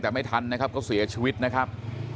แต่ไม่ทันนะครับก็เสียชีวิตนะครับ